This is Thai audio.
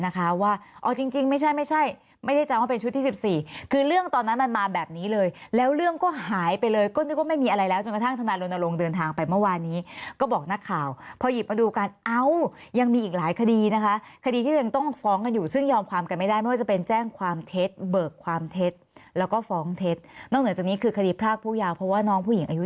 ตอนนั้นมันมาแบบนี้เลยแล้วเรื่องก็หายไปเลยก็นึกว่าไม่มีอะไรแล้วจนกระทั่งธนาลงเดินทางไปเมื่อวานนี้ก็บอกนักข่าวพอหยิบมาดูกันอ้าวยังมีอีกหลายคดีนะคะคดีที่ยังต้องฟ้องกันอยู่ซึ่งยอมความกันไม่ได้ไม่ว่าจะเป็นแจ้งความเท็จเบิกความเท็จแล้วก็ฟ้องเท็จนอกเหนือจากนี้คือคดีพรากผู้ยาวเพราะว